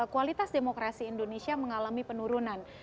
kualitas demokrasi indonesia mengalami penurunan